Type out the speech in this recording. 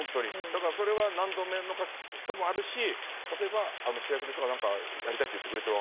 だからそれは何度目かの人もあるし例えば主役の人が何かやりたいって言ってくれてる。